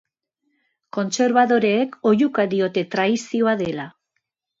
Kontserbadoreek oihuka diote traizioa dela.